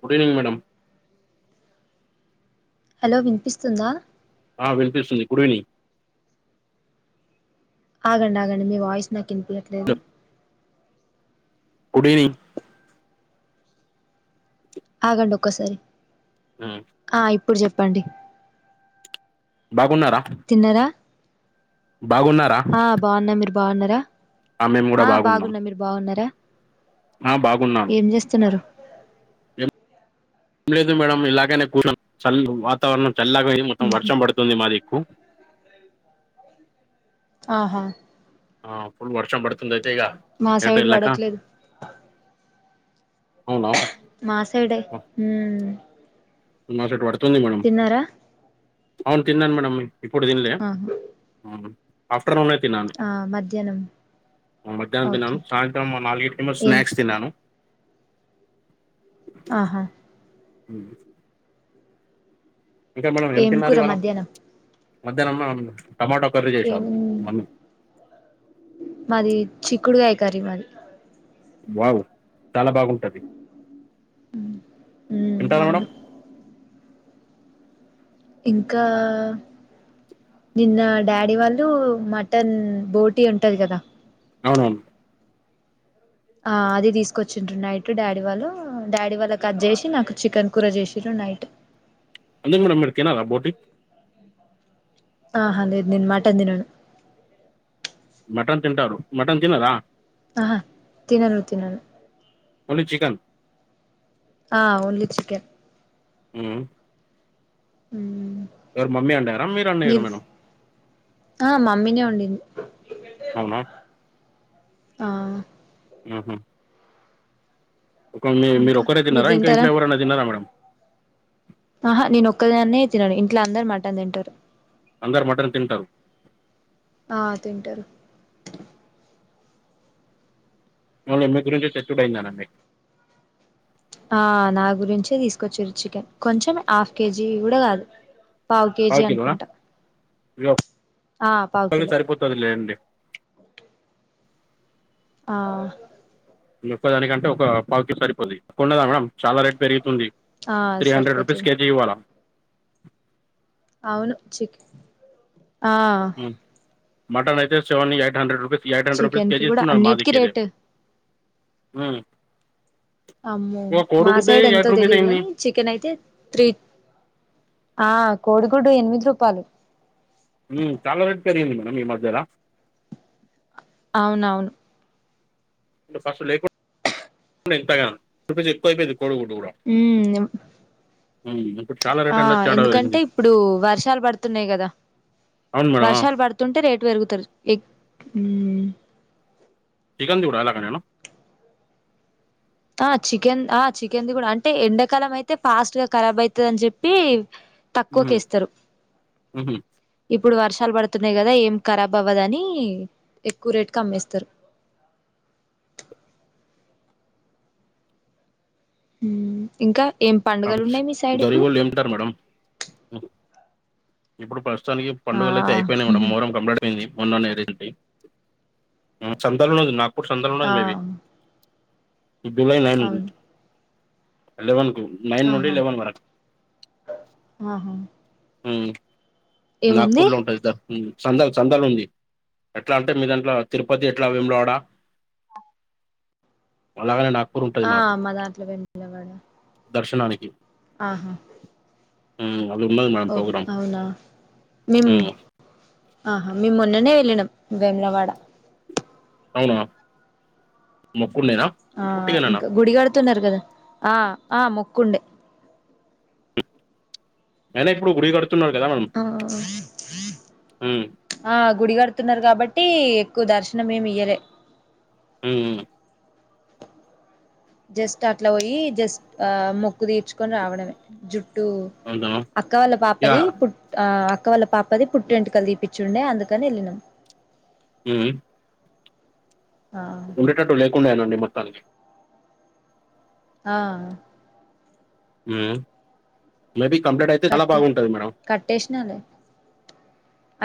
Good evening madam hello వినిపిస్తుందా ఆ వినిపిస్తుంది గుడ్ ఈవెనింగ్ ఆగండి ఆగండి మీ వాయిస్ నాకు ఇనిపియాట్లేదు గుడివినింగ్ ఆగండి ఒక్కసారి హ్మ్ ఆ ఇప్పుడు చెప్పండి. బాగున్నారా! తిన్నరా బాగున్నారా బావున్నాం, మీరు బావున్నారా. మేము కూడా ఆ బాగున్నాం బాగున్న మీరు బాగున్నారా. ఆ బాగున్నం. ఏం జేస్తున్నరు. ఏం లేదు మేడం ఇలాగనే కూచునం వాతావరణం చల్లాగాయి మొత్తం ఉహు వర్షం పడుతుంది. మాదిక్కు ఆహా ఆ అప్పుడు వర్షం పడుతుందయితే ఇగా మా ఎట్ సైడ్ ఏళ్ళక. పడట్లేదు అవునా మా సైడే ఉహ్మ్ మా సైడ్ వడుతుంది మేడం, అవును తిన్నాను మేడం. ఇప్పుడు తినలే ఆహా తినలే ఆఫ్టర్నూనే తిన్నాను. ఆ మధ్యాహ్నం ఆ మధ్యానం ఓకే తిన్నాను సాయంత్రం మా నాలిగిటికేమో ఏం స్నాక్స్ తిన్నాను. ఆహా ఉహుహ్ ఇంకా మేడం ఏం తిన్నారు కూర ఇవాళ మధ్యాహ్నం మధ్యానం మనం టమాటో కర్రీ. ఏ చేశారు ఉన్ మమ్మీ మాది చిక్కుడుకాయ కర్రీ ఇవల్ వావ్ చాలా బాగుంటది ఉమ్ ఉంటా మేడం అవును ఇంకా నిన్న డాడీ వాళ్ళు మటన్ బోటీ ఉంటది గదా అవునన్ ఆ అది దిసుకొచ్చిరు నైట్ డాడీ వాళ్ళు డాడీ వాళ్ళక్ అది జేశి నాకు చికెన్ కూర చేసిరు నైట్ ఎందుకు మేడం మీరు తినరా బోటి ఆహ లేదు నేను మటన్ దినను మటన్ తింటారు మటన్ తినరా ఆహ తిన్నారు తినర్ ఓన్లీ చికెన్ ఆ ఓన్లీ చికెన్ ఉహ్ ఉహ్ ఎవరు మమ్మీ వండారా వండారా మీరు మేడం ఆ మమ్మీనే ఉండింది. అవునా ఆ నహహ్ ఓకేనే మీరు ఇంకా ఒకరే తినరా ఇంకా తింటారా ఇంట్లో ఎవరనా తన్నారా మేడం ఆహా నేను ఒక్కదాన్నే తినను ఇంట్లో అందరూ మటన్ తింటారు. అందరు మటన్ తింటారు. ఆ తింటారు మళ్ళా ఏమై గురించే తెట్టుడు అయింది అన్నండే ఆ నా గురించి తీసుకొచ్చిరు చికెన్ కొంచెం హాఫ్ కేజీ గూడా గాద్ పావు కేజీ అనుకుంటా ఆ పావు కిలో పది లేండి. ఆ ఈ ఒక్క దానికంటే ఒక పావుకిల్ సరిపోది కొండదా మేడం చాలా రేట్ పెరిగితుంది. ఆ త్రీ హండ్రెడ్ రుపీస్ సరిపోతది కేజీ ఇవాలా అవును చిక్ ఆ ఉహ్ మటన్ అయితే seven eight hundred rupees eight hundred rupees chicken కి కేజీ కూడా ఇస్తున్నారు అన్నిటికిీ మాదికైతె రేటు మ్ అమ్మో కోడి మా గూడే సైడ్ ఎంతో యైట్ రూపేష్ తెలియదు అయింది కాని చికెన్ అయితే త్రీ ఆ కోడిగుడ్డు ఎనిమిది రూపాలు హు చాల రేట్ పెరిగింది మేడం ఈ మధ్యల అవునవును ఫస్ట్ లేకుండె [unintelligible] క్కువ అయిపోయింది కోడి గూడు కూడా ఉ ఇప్పుడు చాల రేట్ [unintelligible] ఎందుకంటే పెరిగింది ఇప్పుడు వర్షాలు పడుతున్నాయి అవును మేడమ్ తింటుంటే రేటు పెరుగుతారు ఎగ్ మ్ చికెన్ చుడ అలాగా నేను ఆ చికెన్ ఆ చికెన్ ది కూడ అంటే ఎండాకాలం అయితే ఫాస్ట్ గా ఖరాబ్ అయితది అని చెప్పి తక్కువ ఇస్తారు ఇప్పుడు వర్షాలు పడుతున్నాయి కదా ఏం ఖరాబ్ అవ్వదని ఎక్కువ రేట్కే అమ్మేస్తారు ఇంకా ఏం పండుగలు ఉన్నాయి మీ సైడ్ ఇప్పుడు [unintelligible] మేడం ఇప్పుడు ప్రస్తుతానికి ఆ పండుగలు అయితే అయిపోయినాయి మేడం మొహర్రం యింది మొన్న [unintelligible] ఉండంది నాకు సంద ఉండంది ఆ మేబి అవును [unintelligible] నైన్ నుండి ఆహా లెవెన్ వరకు ఆహా [unintelligible] ఉ ఏముంది నాగ్పూర్ లో ఉంటుంది సార్ చందల్ చందలు ఉంది ఎట్లా అంటే మీ దంట్లో తిరుపతి ఎట్ల [unintelligible] అలాగనే నాగపూర్ ఉంటది ఆ మాకు మా దాంట్లో వేములవాడ దర్శనానికి ఆహా ఉమ్ అది ఉన్న ఓ అవునా [unintelligible] ఆహా మే మొన్ననే వెళ్ళినం వేములవాడ అవునా మొక్కున్నేనా ఆ ఇంక గుడి కడుతున్నారు కదా ఆ ఆ మొక్కుండే అయినా ఇప్పుడు గుడి కడుతున్నారు కదా ఉ ఆ గుడి కడుతున్నారు కాబట్టి ఎక్కువ దర్శనం ఏమి ఇయ్యలే ఉ జస్ట్ అట్ల పోయి జస్ట్ ఆ మొక్కు తీర్చుకొని రావడమే జు టు అంతేనా అక్క వాళ్ళ యా పాపది పు ఆ అక్క వాళ్ళ పాపది పుట్టు వెంటుకలు తీపించుండే అందుకని వెళ్ళినాం ఉ ఆ ఉండేటట్టు లేకుండానండి మొత్తాకి ఆ మేబి కంప్లీట్ అయితే చాల కట్టే బాగుంటది మేడం కట్టేసినాలే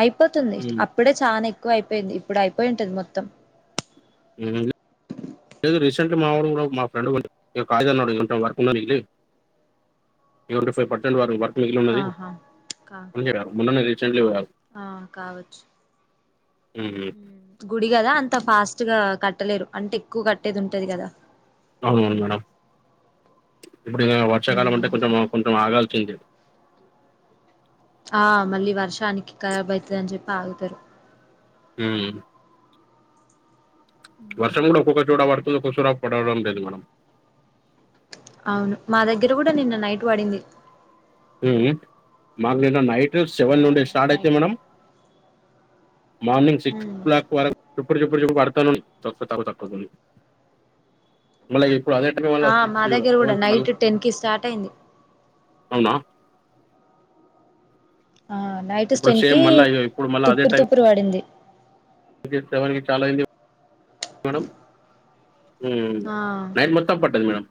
అయిపోతుంది ఉమ్ అప్పుడే చాలా ఎక్కువ అయిపోయింది ఇప్పుడు అయిపోయింటది మొత్తం ఉ లేదు రీసెంట్ మా కూడా మా ఫ్రెండ్ కాగ్నిజెంట్ వర్కులి ఎవరిదో ఫైవ్ పర్సెంట్ వారు వర్క్ ఆహా కా మిగిలిన్నదియారు ముందునే రీసెంట్లీ పోయారు ఆ కావచ్చు ఉమ్ ఉమ్ గుడి కదా అంత ఫాస్ట్ గా కట్టలేరు అంటే ఎక్కువ కట్టేది ఉంటది కదా అవునవును మేడం ఇప్పుడు వర్షాకాలం అంటే కొంచెం కొంచెం ఆగాల్సింది ఆ మళ్ళీ వర్షానికి ఖరాబ్ అవుతుందని చెప్పి ఆగుతారు హమ్ వర్షం కూడా ఒక్కొక్క చోట పడుతుంది ఒకచోట పడడం లేదు మేడం అవును మా దగ్గర కూడా నిన్న నైట్ పడింది ఉమ్ మాకు నిన్న నైట్ సెవెన్ ఆ నుండి స్టార్ట్ అయితే night madam morning six hmm o'clock వరకు చప్పుడు చుప్పుడు చూప్పు పడతానే ఉంది తక్కువ తక్కతుంది మలాగే ఇప్పుడు అద మళ్ళ ఆ సిక్స్ మా దగ్గర కూడా సెవెన్ కి మళ్ళ నైట్ టెన్ కి స్టార్ట్ అయింది అవునా ఆ నైట్ స్ ఇప్పుడు టెన్ సేమ్ కి మళ్ళా ఇప్పుడు తుప్పురి తుప్పురి పడింది ఇక్కడ సెవెన్ కి చాలా అయ్యింది మేడం ఉమ్ ఆ నైన్ మ మొత్తం పడ్డది మేడం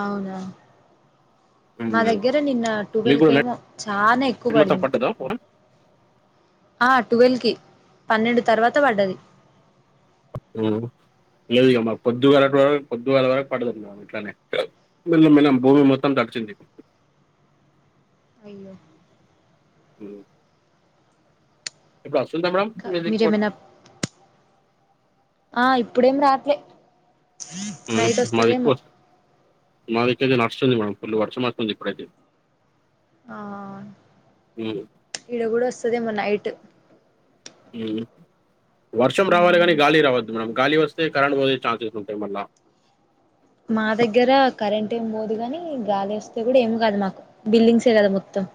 అవునా ఉమ్, మా దగ్గర నిన్న టువెల్ కి ఏమో చాలా ఎక్కువ పడింది బాగాపడిందా ఆ టువెల్వ్ కి పన్నెండు తర్వాత పడ్డది ఉమ్ లేదుగామ్మా పొద్దుగాల వర పొద్దుగాల వరకు పడుతు మ ఇట్లనే మిల్ల మిల్లం భూమి మొత్తం తడిచింది అయ్యో ఊహు ఇప్పుడు వస్తుందా మేడం ఇంకా మీ దిక్కు మీరేమైనా వర్షం ఆ ఇప్పుడేం రాట్లే నైట్ మాది వస్తదేమో ఎక్కువ మా దిక్కు అయితే వస్తుంది. మేడమ్ ఫుల్లు వర్షం వస్తుంది. ఇప్పుడైతే ఆ ఉమ్, ఇడ కూడా వస్తదేమో నైట్ వర్షం రావాలి హ్మ్ కానీ గాలి రావద్దు మేడం గాలి వస్తే కరెంట్ పోయె ఛాన్సెస్ ఉంటాయి మళ్ళ మా దగ్గర కరెంట్ ఏమి పోదు కాని గాలి వేస్తే కూడా ఏమి కాదు మాకు బిల్డింగ్సే కదా మొత్తం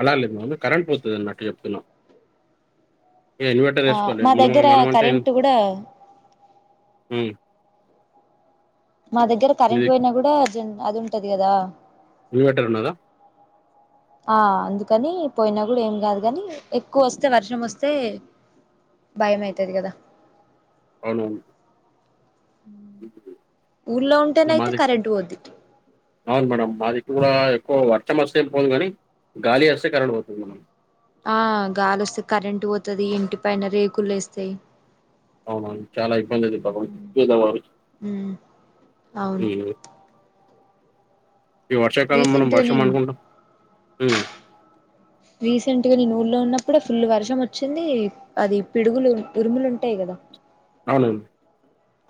అలా లేమ వ కరెంట్ పోతదన్నట్టు చెప్తున్నా ఇన్వెటర్ ఆ వేసుకోవాలి మా మనము దగ్గర మనం అంటే కరెంట్ కూడా అ మా దగ్గర కరెంట్ ఇది పోయినా కూడా అర్జ్ అది ఉంటది కదా ఇన్వర్టర్ ఉన్నద ఆ అందుకని పోయినా కూడా ఏం కాదు కాని ఎక్కువ వస్తే వర్షం వస్తే భయమయితది కదా అవును ఊర్లో ఇగ ఉంటేనయితే మాది కరెంట్ పోద్ది అవును మేడమ్ మాది ఇ కూడా ఎక్కువ వర్షం వస్తే ఏం పోదు కాని గాలి ఏస్తే కరెంట్ పోతుంది మేడమ్. ఆ గాలి వస్తే కరెంట్ పోతది. ఇంటి పైన రేకులు లేస్తాయి. అవునను చాలా ఇబ్బంది అయింది పాపం పేదవారు ఉమ్ అవును ఈ వర్షాకాలం మనం రీసెంట్ గా వర్షం నేను అనుకుంటాం ఉం రీసెంట్ గా నేను ఊళ్లో ఉన్నప్పుడే ఫుల్ వర్షం వచ్చింది. అది పిడుగులు ఉరుములు ఉంటాయి కదా అవునండి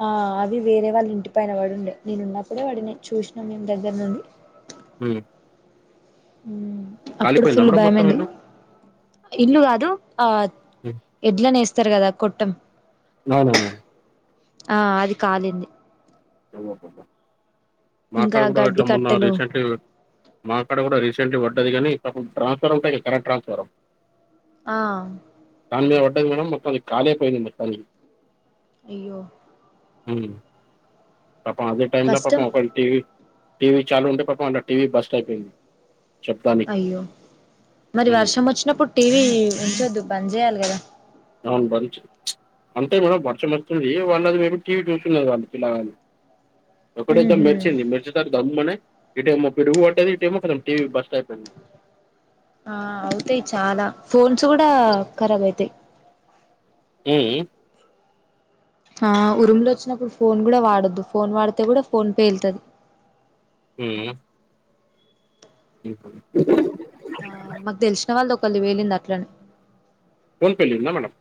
ఆ అవి వేరే వాళ్ళ ఇంటి పైన పడుండే నేను ఉన్నప్పుడే పడినయి చూసినం మేం దగ్గర నుండి. ఉ. అప్పుడు కాలిపోయిందా ఫుల్లు మేడం మొత్తం భయమయిందు. ఇల్లు ఇల్లు కాదు ఆ ఉమ్ ఎడ్లనేస్తరు కదా కొట్టం. నా నా నా. ఆ అది కాలింది. మా ఇంకా అక్కడ కూడా గడ్డి ఇట్లా మొన్న కట్టెలు రీసెంట్లీ. మా అక్కడ కూడా రీసెంట్లీ పడ్డది కానీ పాపం ట్రాన్స్ ఫారం ఉంటాయి కదా కరెంట్ ట్రాన్స్ ఫారం. ఆ. దాని మీద పడ్డాది మేడం మొత్తానికి కాలేపోయింది మొత్తానికి. అయ్యో. ఉమ్. పాపం అదే టైమ్ లో పాపం కష్టం ఒకళ టీవి టీవి చాలు ఉంటే పాపం అలా టీవి బస్టి అయిపోయింది. శబ్దానికి అయ్యో మరి ఉమ్. వర్షం వచ్చినప్పుడు టీవి ఉంచొద్దు బంద్ చేయాలి కదా. అవును బంచ్ ప్చ్. అంటే మేడం వర్షం వస్తుంది వాళ్ళు అది మేము టీవీ చూస్తున్నారు వాళ్ళ పిల్లగాళ్ళు. అక్కడైతే ఉహు మెరిచింది మెరిచి ద దమ్మనే ఇటేమో పిడుగు పడ్డది ఇటేమో టీవి బరస్ట్ అయిపోయింది. ఆ అవుతాయి చాలా ఫోన్స్ కూడా కరాబ్ అయితాయి. ఉ ఊ. ఆ ఉరుములు వచ్చినప్పుడు ఫోన్ కూడా వాడొద్దు ఫోన్ వాడితే కూడా ఫోన్ పేళ్తది. ఉ ఉ. ఆ మాకు తెలిసిన వాళ్ళది ఒకలిది వేళింది అట్లనే. ఫోన్ పేలిందా మేడమ్.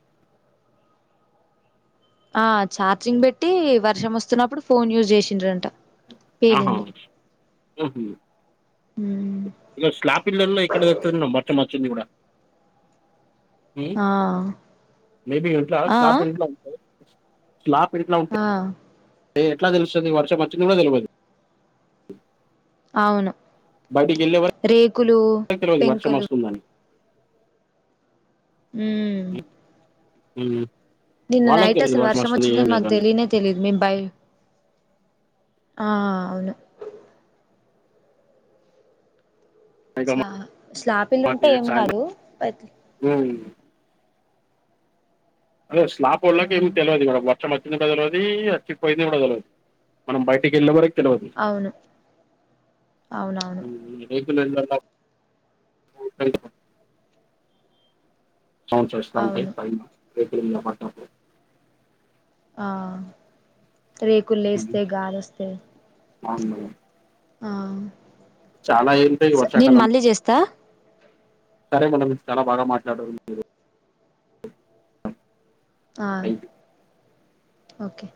ఆ ఛార్జింగ్ పెట్టి వర్షం వస్తున్నప్పుడు ఫోన్ యూజ్ చేసిండ్రంట. ఆహా పేలింది ఉం ఇట్లా స్లాప్ ఇళ్లల్లో ఎక్కడ దొరుకుతుందో బట్టలు మార్చింది కూడా. ఉం ఆ మేబి ఇంట్ల ఆ స్లాప్ ఇంట్లో ఉంటయి స్లాప్ ఇంట్లో ఉంటె. ఆ. ఏ ఎట్లా తెలుస్తది వర్షం వచ్చింది కూడా తెల్వదు. అవును బయటికి వెళ్ళే రేకులూ వరకు తెలియదు వర్షం పెంకలు. వస్తుందని ఉం. ఉ. నిన్న నైట్ అసల్ వర్షమొచ్చిందన్ మాక్ అని తెలీనే తెల్. తెలీదు మేం భయి ఆ ఆ ఆ అవ్ను. ఇంకా చా స్లాపిల్లుంటే ఏం గాదూ. ఉ. అదే ఆ స్లాపోళ్ళకేం తెల్వదీ మనక్ వర్షమచ్చినట్టు తెల్వది వచ్చిపోయింది కూడా తెల్వది. మనం బయటికెళ్ళే వరక్ తెల్వదు. అవును అవునవును [unintelligible] సౌండ్స్ వస్తా ఉంటాయి అవును పైన రేకుల మీద పడ్డప్పుడు. ఆ ఉమ్. రేకుల్లేస్తే గాలోస్తే. అవును మేడం. చాలా ఏంటయి నేను వర్షాకాలం. మళ్ళీ చేస్తా సరే మేడం చాలా బాగా మాట్లాడారు మీరు. ఆ ఓకే